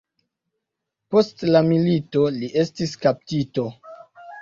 Post la milito li estis kaptito.